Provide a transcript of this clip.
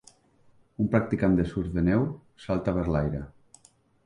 un practicant de surf de neu salta per l'aire.